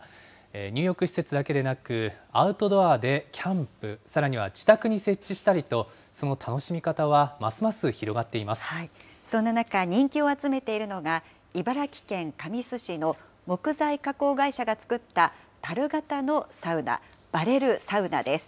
入浴施設だけでなくアウトドアでキャンプ、さらには自宅に設置したりと、その楽しみ方はますます広がっていそんな中、人気を集めているのが、茨城県神栖市の木材加工会社が作ったたる形のサウナ、バレルサウナです。